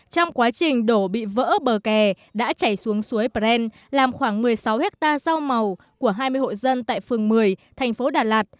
trong quá trình đổ bị vỡ bờ kè đã chảy xuống suối pren làm khoảng một mươi sáu hectare rau màu của hai mươi hộ dân tại phường một mươi thành phố đà lạt